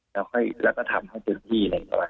แล้วก็ทำให้เจอที่